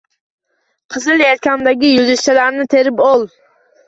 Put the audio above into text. Qizim, yelkamdagi yulduzchalarni terib ol.